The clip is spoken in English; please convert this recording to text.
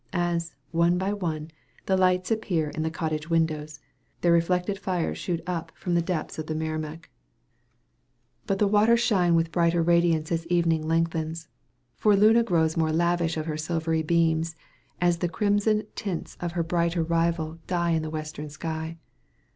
As, one by one, the lights appear in the cottage windows, their reflected fires shoot up from the depths of the Merrimac. But the waters shine with brighter radiance as evening lengthens; for Luna grows more lavish of her silvery beams as the crimson tints of her brighter rival die in the western sky.